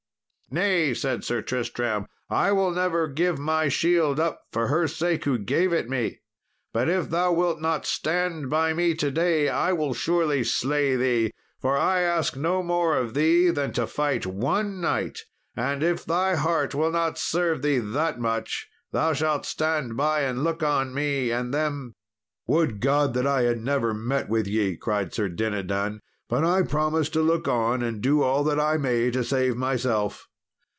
"Nay," said Sir Tristram, "I will never give my shield up for her sake who gave it me; but if thou wilt not stand by me to day I will surely slay thee; for I ask no more of thee than to fight one knight, and if thy heart will not serve thee that much, thou shalt stand by and look on me and them." "Would God that I had never met with ye!" cried Sir Dinadan; "but I promise to look on and do all that I may to save myself."